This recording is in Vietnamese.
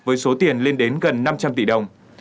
với số tiền lên đến gần năm trăm linh tỷ đồng